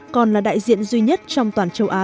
còn là đại diện duy nhất trong toàn châu á